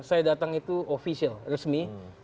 saya datang itu official resmi